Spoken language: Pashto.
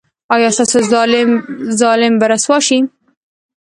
ایا ستاسو ظالم به رسوا شي؟